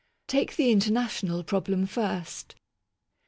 Take the international problem first.